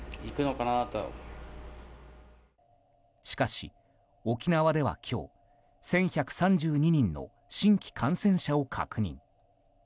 しかし、沖縄では今日１１３２人の新規感染者を確認。